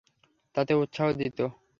তাতে উৎসাহ দিত।